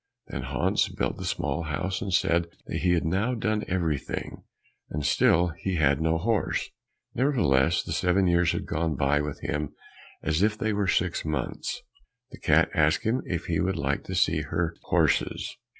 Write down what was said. Then Hans built the small house, and said that he had now done everything, and still he had no horse. Nevertheless the seven years had gone by with him as if they were six months. The cat asked him if he would like to see her horses?